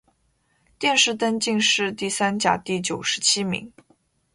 殿试登进士第三甲第九十七名。